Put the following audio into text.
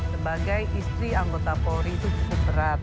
sebagai istri anggota polri itu cukup berat